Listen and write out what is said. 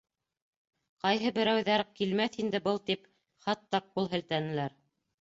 Ҡайһы берәүҙәр килмәҫ инде был тип, хатта ҡул һелтәнеләр.